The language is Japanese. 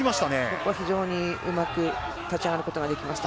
ここは非常にうまく立ち上がることができました。